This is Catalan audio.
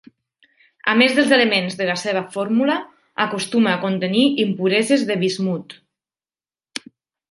A més dels elements de la seva fórmula, acostuma a contenir impureses de bismut.